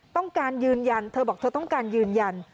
ต้องการยืนยันเธอบอกเธอต้องการยืนยัน